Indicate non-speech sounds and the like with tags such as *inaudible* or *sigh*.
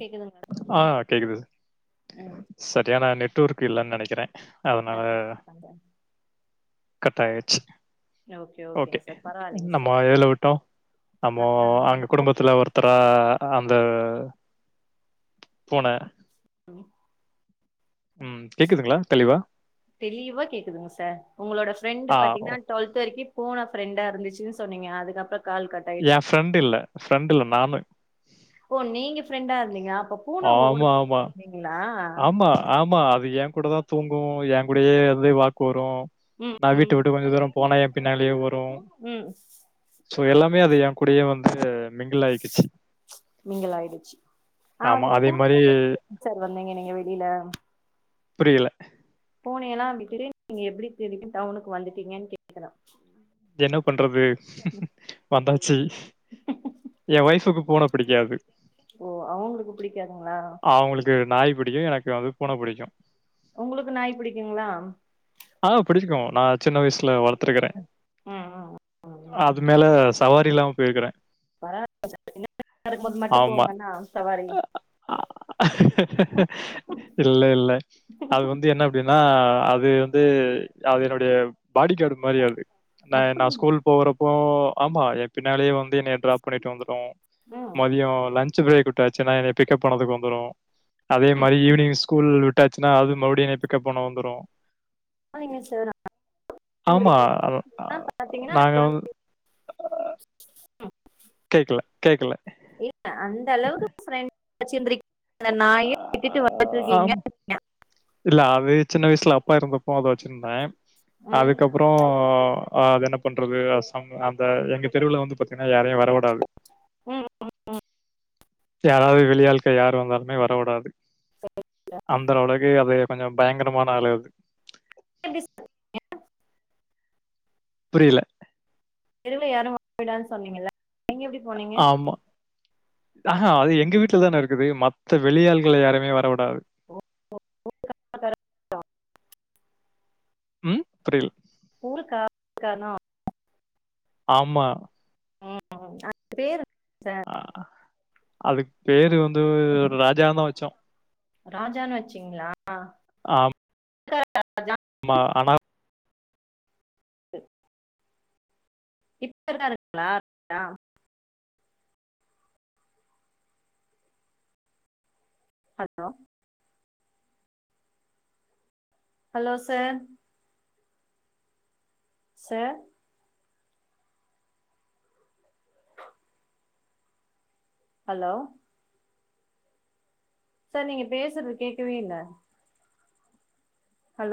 கேக்குதுங்க ஆ கேக்குது ம் சரியான நெட்வொர்க் இல்லன்னு நெனைக்கிறே ஆ அதனால கேக்குதுங்க. கட்டாயிடுச்சு ஓகே ஓகேங்க சார் பரவாயில்லைங்க நம்மோ சார் எதுல விட்டோ ஆ நம்மோ ஆ அங்க குடும்பத்துல ஒருத் தரா அந்த பூன ம் ம் கேக்குதுங்களா தெளிவா தெளிவா கேக்குதுங்க சார் உங்களோட ஃப்ரெண்ட்டு ஆ ஓ. பாத்தீங்கன்னா டுவெல்த் வரைக்கு ஃபோன ஃபிரண்டா இருந்துச்சுன்னு சொன்னீங்க அதுக்கப்புறோ கால் கட் எ ஆயிடுச்சு ஃப்ரெண்ட்டுல்ல ஃப்ரெண்ட்டுல்ல நானு ஓ நீங்க ஃப்ரெண்டாருந்தீங்களா அப்போ ஆமாமா நீங்கிளா ஆமா ஆமா அது எங் கூட தா தூங்கு எங் கூடயே வந்து வாக்கு வரு ம் நா வீட்ட ம் விட்டு கொஞ்ச தூரோ போனா எ பின்னாலேயே வரு ம் சோ எல்லாமே அது ஏ கூடைய வந்து மிங்கிளாயிக்கிச்சு மிங்கில் ஆயிடுச்சு ஆ ஆமா அந்த அதே பூனைய மாரி விட்டுட்டு எப்படி சார் வந்தீங்க நீங்க வெளியில புரியில பூனையெல்லா விட்டுட்டு நீங்க எப்பிடி திடீர்ன் டவுனுக்கு வந்துட்டீங்கன் கேக்கற என்ன பண்றது வந்தாச்சி எ ஒய்ஃபுக்கு பூன பிடிக்காது. ஓ அவுங்குளுக்கு பிடிக்காதுங்ளா? அவுங்குளுக்கு நாய் பிடிக்கு. எனக்கு வந்து பூன பிடிக்கு. உங்குளுக்கு நாய் பிடிக்குங்ளா? ஆ புடிக்கு நா சின்ன வயசுல வளத்திருக்கறே. ம் ம் ம். அது மேல சவாரில்லாம் போயிக்குறே. *inaudible* போது மட்டு போங்கன்னா சவாரி அ இல்ல இல்ல அது வந்து என்ன ப்டின்னா அது வந்து அது என்னுடைய பாடி காடு மாரி அது ந நா அப்படிங்களா ஸ்கூல் போகறப்போ ஆமா எ பின்னாலயே வந்து என்னைய ட்ராப் பண்ணிட்டு வந்துரு. ம் மதியோ லன் ன்ச் பிரேக் விட்டாச்சுன்னா என்னைய பிக்கப் பண்ணதுக்கு வந்துரு. அதே மாரி ஈவினிங் ஸ்கூல் விட்டாச்சுன்னா அது மறுவுடியு என்னைய பிக்கப் பண்ண வந்துரு. *inaudible* ஆமா. அது அ பாத்தீங்கனா *inaudible* நாங்க வந்து கேக்கல கேக்கல. இல்ல அந்த அளவுக்கு *inaudible* நாயே விட்டுட்டு ஆம். *inaudible* இல்ல அது சின்ன வயசுல அப்பா எறந்தப்போ அத வெச்சிந்தே. ம் அதுக்கப் அப்புறோ அ அது என்ன பண்றது அசாம அந்த எங்க தெருவுல வந்து பாத்தீனா யாரையு வர விடாது. ம் ம் ம். யாராவது வெளியாள்கள் யாரு வந்தாலுமே வர விடாது. *inaudible* அந்தர வளக்கு அது கொஞ்சோ பயங்கரமான ஆளு அது. அ டிஸ்க் புரில. தெருவுல யாரு *inaudible* சொன்னீங்கல்ல. நீங்க எப்டி போனீங்க? ஆமா ஆஹா அது எங்க வீட்ல தான இருக்குது மத்த வெளியாள்கள யாரயுமே வர விடாது. *inaudible* ம் புரில் ஊரு *inaudible* கார்னோ. ஆமா. ம் அ பேரு அ அதுக் பேரு வந்துவ் ராஜான் தா வெச்சோ. ராஜானு வெச்சிங்ளா? *inaudible* மா ஆனா டு. கிட்டதா *inaudible* ஹலோ? Hello sir? ச ஹலோ? சார் நீங்க பேசறது கேக்கவே இல்ல. ஹலோ